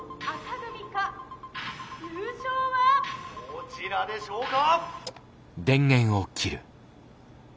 「どちらでしょうか」。